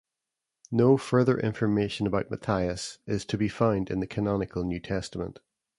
No further information about Matthias is to be found in the canonical New Testament.